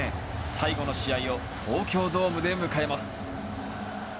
最後の試合を東京ドームで迎えます。